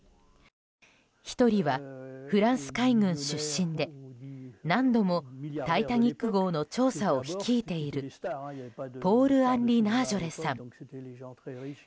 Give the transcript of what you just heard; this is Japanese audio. １人はフランス海軍出身で何度も「タイタニック号」の調査を率いているポール・アンリ・ナージョレさん。